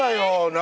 何？